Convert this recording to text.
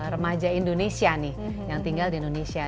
remaja indonesia nih yang tinggal di indonesia